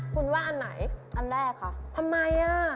คุณว่าอันไหนอันแรกค่ะทำไมอ่ะ